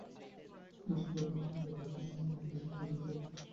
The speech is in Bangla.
এবং তারা আমাদের দেশ আর আমাদের জনগণকে ধ্বংস করার কথা ভাবে।